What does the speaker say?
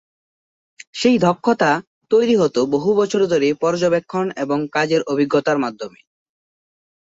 সেই দক্ষতা তৈরি হত বহু বছর ধরে পর্যবেক্ষণ এবং কাজের অভিজ্ঞতার মাধ্যমে।